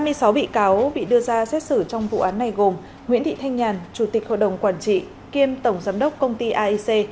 hai mươi sáu bị cáo bị đưa ra xét xử trong vụ án này gồm nguyễn thị thanh nhàn chủ tịch hội đồng quản trị kiêm tổng giám đốc công ty aic